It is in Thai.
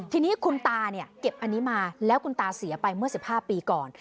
ทีนี้คุณตาเนี่ยเก็บอันนี้มาแล้วคุณตาเสียไปเมื่อ๑๕ปีก่อน